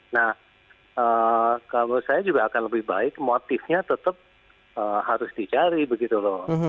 nah kalau saya juga akan lebih baik motifnya tetap harus dicari begitu loh